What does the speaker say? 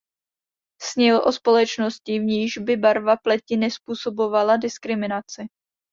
Snil o společnosti, v níž by barva pleti nezpůsobovala diskriminaci.